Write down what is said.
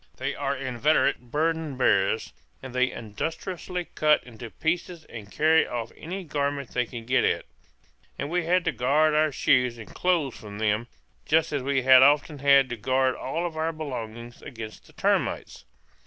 They are inveterate burden bearers, and they industriously cut into pieces and carry off any garment they can get at; and we had to guard our shoes and clothes from them, just as we had often had to guard all our belongings against the termites.